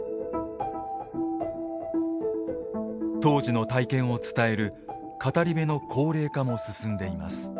当時の体験を伝える語り部の高齢化も進んでいます。